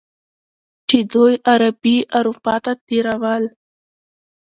چې دوی غربي اروپا ته تیرول.